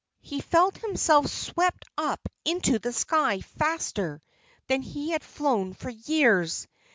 He felt himself swept up into the sky faster than he had flown for years.